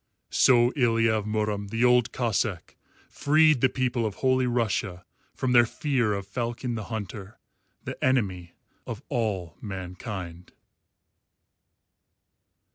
So Ilya of Murom the Old Cossáck freed the people of Holy Russia from their fear of Falcon the Hunter, the enemy of all mankind.